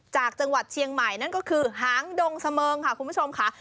จากจังหวัดเชียงใหม่นั่นก็คือหางดงเสมิงค่ะคุณผู้ชมค่ะ